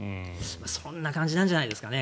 そんな感じなんじゃないですかね。